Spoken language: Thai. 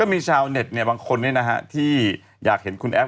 ก็มีชาวเน็ตเนี้ยบางคนนี่นะฮะที่อยากเห็นคุณแอฟ